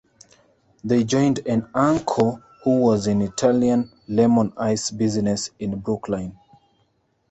They joined an uncle who was in the Italian lemon-ice business in Brooklyn.